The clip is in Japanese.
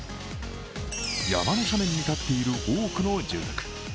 山の斜面に建っている多くの住宅。